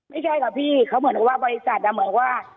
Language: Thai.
ไม่ใช่ค่ะพี่เขาเหมือนกับว่าบริษัทเหมือนว่า